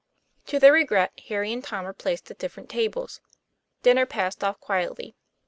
To their regret, Harry and Tom were placed at different tables. Dinner passed off quietly.